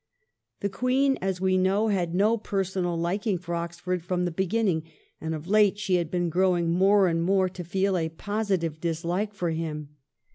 The Queen, as we know, had no personal liking for Oxford from the beginning, and of late she had been growing more and more to feel a positive dislike for him.